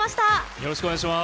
よろしくお願いします。